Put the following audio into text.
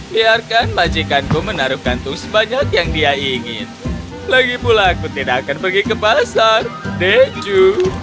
biarkan majikan ku menaruh kantung sebanyak yang dia ingin lagipula aku tidak akan pergi ke pasar denju